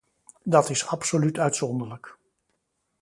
Dat is absoluut uitzonderlijk.